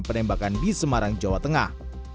penembakan di semarang jawa tengah